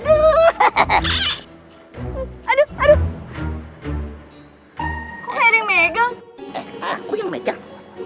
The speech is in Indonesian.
srn trafik bamakgasah